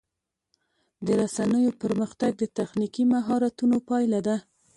د رسنیو پرمختګ د تخنیکي مهارتونو پایله ده.